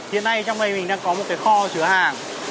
hiện nay trong đây mình đang có một cái kho chứa hàng